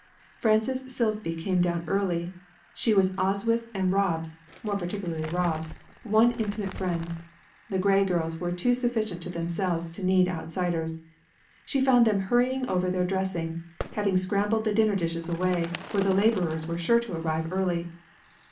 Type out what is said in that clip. Frances Silsby came down early. She was Oswyth's and Rob's more particularly Rob's one intimate friend; the Grey girls were too sufficient to themselves to need outsiders. She found them hurrying over their dressing, having scrambled the dinner dishes away, for the laborers were sure to arrive early.